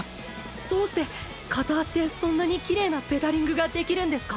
どうして、片足でそんなにきれいなペダリングができるんですか？